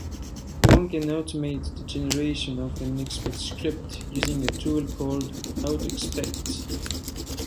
One can automate the generation of an expect script using a tool called 'autoexpect'.